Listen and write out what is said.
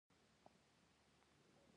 ټولي مادې رعیات کړي.